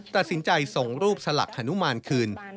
ตัดสินใจส่งรูปสลักฮนุมานคืน